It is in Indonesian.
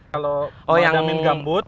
kalau memadam gambut